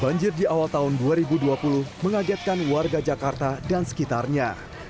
banjir di awal tahun dua ribu dua puluh mengagetkan warga jakarta dan sekitarnya